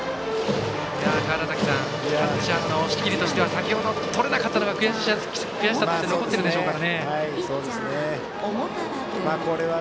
キャッチャーの押切としては先程、とれなかったのが悔しさとして残っているのでしょうか。